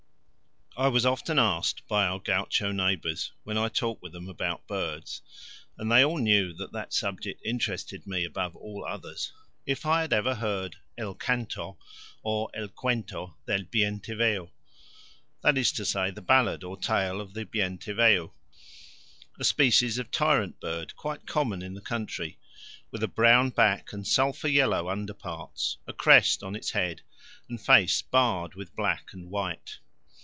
I was often asked by our gaucho neighbours when I talked with them about birds and they all knew that that subject interested me above all others if I had ever heard el canto, or el cuento del Bien te veo. That is to say, the ballad or tale of the Bien te veo a species of tyrant bird quite common in the country, with a brown back and sulphur yellow under parts, a crest on its head, and face barred with black and white.